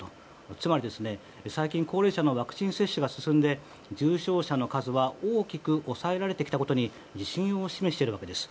つまり、最近高齢者のワクチン接種が進んで、重症者の数は大きく抑えられてきたことに自信を示しているわけです。